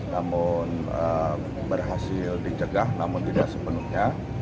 namun berhasil dicegah namun tidak sepenuhnya